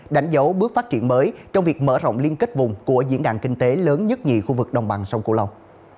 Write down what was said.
đánh dấu bước phát triển mới trong việc mở rộng liên kết vùng của diễn đàn kinh tế lớn nhất nhì khu vực đồng bằng sông cửu long